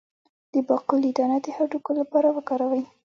د باقلي دانه د هډوکو لپاره وکاروئ